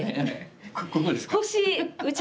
ここですか。